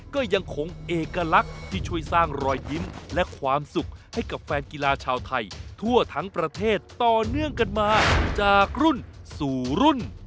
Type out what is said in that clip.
ก็ยังคงเอกลักษณ์ที่ช่วยสร้างรอยยิ้มและความสุขให้กับแฟนกีฬาชาวไทยทั่วทั้งประเทศต่อเนื่องกันมาจากรุ่นสู่รุ่น